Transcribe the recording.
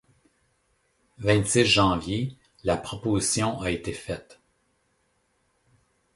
vingt-six janvier. — La proposition a été faite.